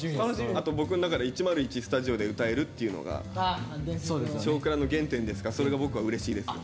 あと僕の中で１０１スタジオで歌えるっていうのが「少クラ」の原点ですからそれが僕はうれしいですよ。